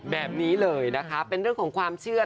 แบบนี้เลยนะคะเป็นเรื่องของความเชื่อ